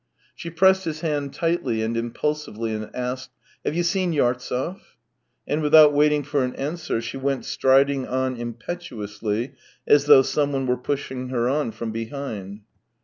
She pressed his hand tightly and impulsively and asked :" Have you seen Yartsev ?" And without waiting for an answer she went striding on impetuously as though someone were pushing her on from behind.